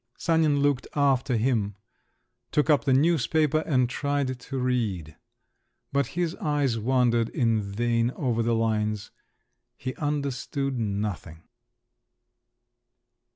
Sanin looked after him … took up the newspaper and tried to read. But his eyes wandered in vain over the lines: he understood nothing.